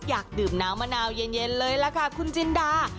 อยากดื่มน้ำมะนาวเย็นเลยล่ะค่ะคุณจินดา